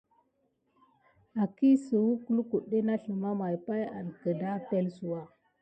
Akisuwək lukuɗɗe na sləma may pay an kəpelsouwa.